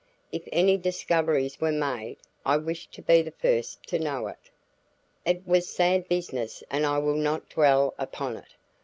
If any discoveries were made I wished to be the first to know it. It was sad business and I will not dwell upon it.